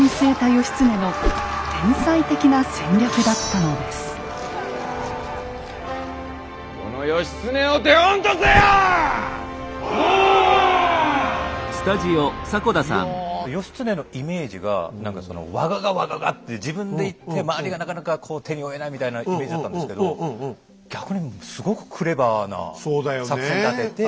義経のイメージが何かその我がが我ががって自分で行って周りがなかなかこう手に負えないみたいなイメージだったんですけど逆にすごくクレバーな作戦立てて。